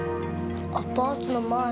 アパートの前。